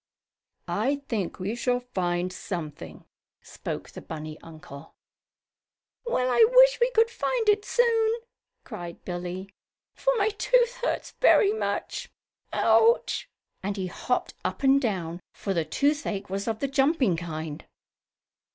"I think we shall find something," spoke the bunny uncle. "Well, I wish we could find it soon!" cried Billie, "for my tooth hurts very much. Ouch!" and he hopped up and down, for the toothache was of the jumping kind.